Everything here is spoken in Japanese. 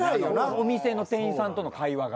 お店の店員さんとの会話が。